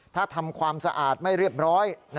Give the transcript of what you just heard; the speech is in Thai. ถ้าทำความสะอาดไม่เรียบร้อย